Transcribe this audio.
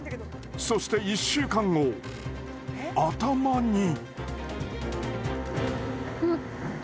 そして１週間後頭に。